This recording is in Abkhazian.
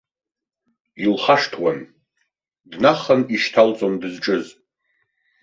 Илхашҭуан, днахан ишьҭалҵон дызҿыз.